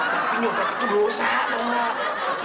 tapi nyopet itu dosa dong ya